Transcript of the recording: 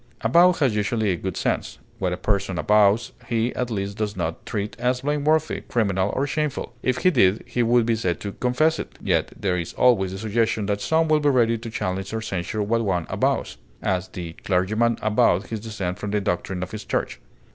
Avow has usually a good sense; what a person avows he at least does not treat as blameworthy, criminal, or shameful; if he did, he would be said to confess it; yet there is always the suggestion that some will be ready to challenge or censure what one avows; as, the clergyman avowed his dissent from the doctrine of his church.